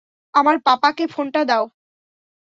আমার পাপাকে ফোনটা দাও!